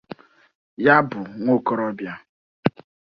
ya bụ nwokorobịa